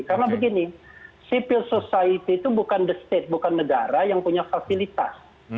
karena begini civil society itu bukan the state bukan negara yang punya fasilitas